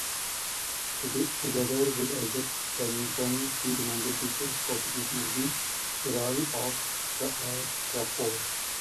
Together with Isaac Penington, he demanded the prosecution of the Earl of Strafford.